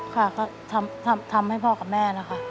ค่ะทำให้พ่อกับแม่แล้วค่ะ